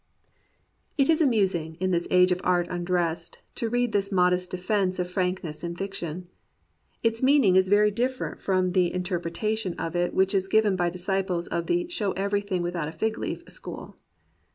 It is amusing, in this age of art undressed, to read this modest defense of frankness in fiction. Its meaning is very different from the interpretation of it which is given by disciples of the "show every thing without a fig leaf " school.